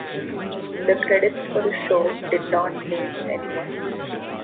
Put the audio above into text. The credits for the show did not name anyone.